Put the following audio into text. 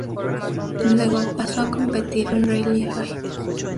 Luego pasó a competir en Rally raid.